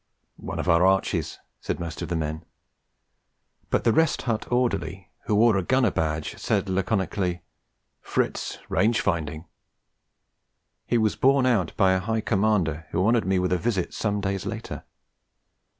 'One of our Archies,' said most of the men; but the Rest Hut orderly, who wore a Gunner badge said laconically: 'Fritz range finding!' He was borne out by a High Commander who honoured me with a visit some days later.